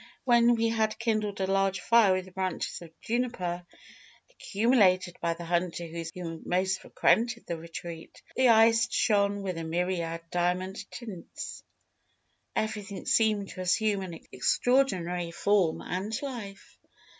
When we had kindled a large fire with branches of juniper, accumulated by the hunter who most frequented the retreat, the ice shone with a myriad diamond tints; everything seemed to assume an extraordinary form and life.